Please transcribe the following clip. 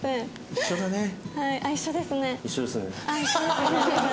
一緒ですね眼鏡。